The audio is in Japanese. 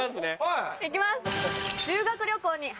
行きます！